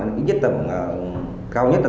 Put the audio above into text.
cái nhiết tầm cao nhất là ba mươi